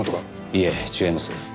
いいえ違います。